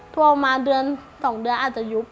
โทรมาเดือน๒เดือนอาจจะยุบ